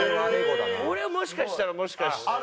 これはもしかしたらもしかして。